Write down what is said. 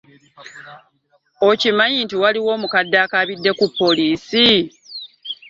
Okimanyi nti waliwo omukadde akabide ku poliisi?